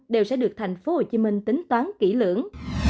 đều sẽ được tp hcm tính toán kỹ lưỡng